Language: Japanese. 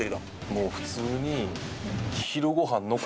もう普通に。